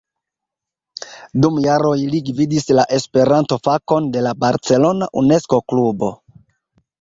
Dum jaroj li gvidis la Esperanto-fakon de la barcelona Unesko-klubo.